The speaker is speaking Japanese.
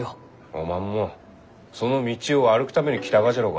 おまんもその道を歩くために来たがじゃろうが。